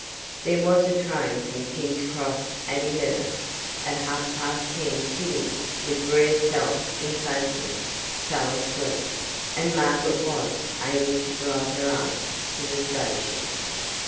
There was a train from King's Cross at eleven. At half past ten Tibby, with rare self effacement, fell asleep, and Margaret was able to drive her aunt to the station.